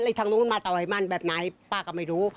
ทางนู้นมาต่อยมันแบบไหนป้าก็ไม่รู้